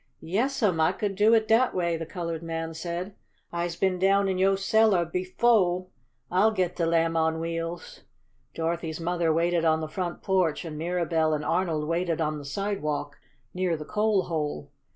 "Yes sum, I could do it dat way!" the colored man said. "I'se been down in yo' cellar befo'. I'll get de Lamb on Wheels." Dorothy's mother waited on the front porch, and Mirabell and Arnold waited on the sidewalk near the coal hole.